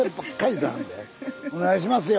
お願いしますよ。